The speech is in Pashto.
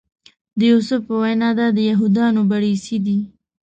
د یوسف په وینا دا د یهودانو بړیڅي دي.